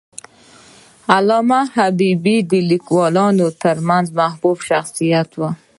علامه حبیبي د لیکوالانو ترمنځ محبوب شخصیت و.